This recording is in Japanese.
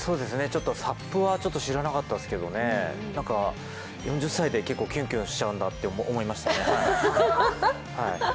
ＳＵＰは知らなかったですけどねなんか、４０歳で結構キュンキュンしちゃうんだって思いましたね。